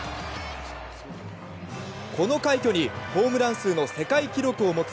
この快挙に、ホームラン数の世界記録を持つ